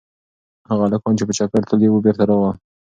هغه هلکان چې په چکر تللي وو بېرته راغلل.